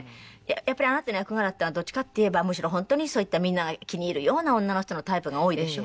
あなたの役柄っていうのはどっちかっていえばむしろ本当にそういったみんなが気に入るような女の人のタイプが多いでしょ？